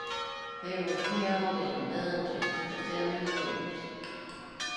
They were held in dungeons for seven years.